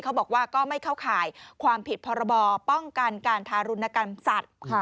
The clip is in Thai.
เขาบอกว่าก็ไม่เข้าข่ายความผิดพรบป้องกันการทารุณกรรมสัตว์